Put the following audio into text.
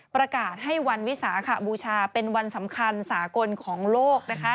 ประกาศให้วันวิสาขบูชาเป็นวันสำคัญสากลของโลกนะคะ